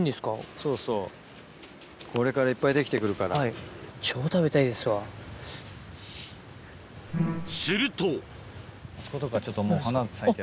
そうそうこれからいっぱいできて来るから。するとあそことかちょっともう。